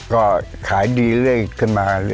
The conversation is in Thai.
ก็ขายดีเลยขึ้นมาเลย